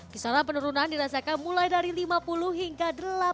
kisaran penurunan dirasakan mulai dari lima puluh hingga delapan puluh